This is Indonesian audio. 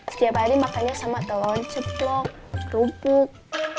setiap hari makannya sama telur ceplok kerupuk